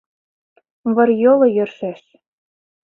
Вырйоло — йӧршеш.